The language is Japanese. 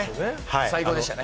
最高でしたね。